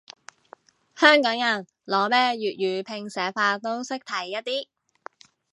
香港人，攞咩粵語拼寫法都識睇一啲